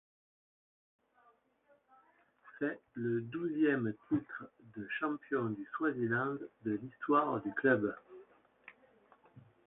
C'est le douzième titre de champion du Swaziland de l'histoire du club.